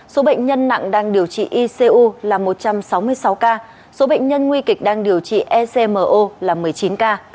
số bệnh nhân nặng đang điều trị icu là một trăm sáu mươi sáu ca số bệnh nhân nguy kịch đang điều trị ecmo là một mươi chín ca